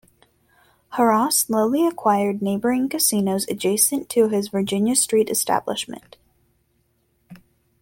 Harrah slowly acquired neighboring casinos adjacent to his Virginia Street establishment.